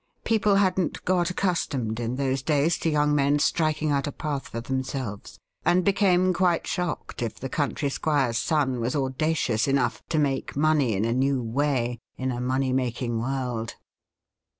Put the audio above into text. People hadn't got accustomed in those days to young men striking out a path for themselves, and became quite shocked if the country squire's son was audacious enough to make money in a new way in a money making world.